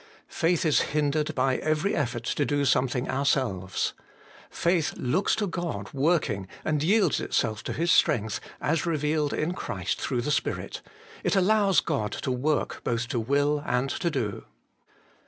Faith is hindered by every effort to do something ourselves. Faith looks to God working, and yields itself to His strength, as revealed in Christ through 162 HOLY IN CHRIST. the Spirit ; it allows God to work both to will and to do.